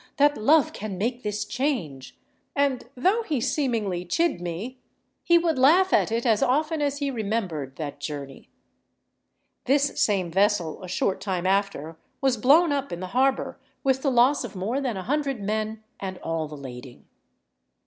that love can make this change!' and though he seemingly chid me, he would laugh at it as often as he remembered that journey." This same vessel, a short time after, was blown up in the harbour with the loss of more than a hundred men and all the lading.